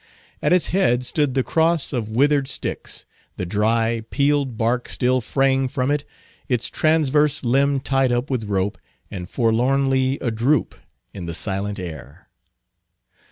At its head stood the cross of withered sticks; the dry, peeled bark still fraying from it; its transverse limb tied up with rope, and forlornly adroop in the silent air.